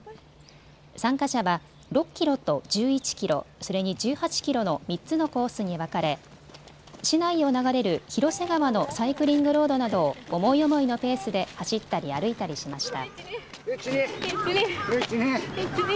参加者は６キロと１１キロ、それに１８キロの３つのコースに分かれ市内を流れる広瀬川のサイクリングロードなどを思い思いのペースで走ったり歩いたりしました。